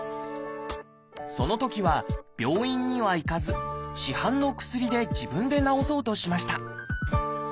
そのときは病院には行かず市販の薬で自分で治そうとしました。